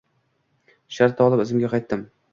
Shartta olib izimga qaytdim.